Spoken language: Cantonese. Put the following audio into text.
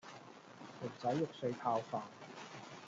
蠔仔肉碎泡飯